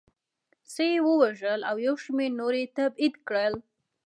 څه یې ووژل او یو شمېر نور یې تبعید کړل